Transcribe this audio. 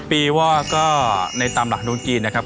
ปีว่าก็ในตามหลักดวงจีนนะครับ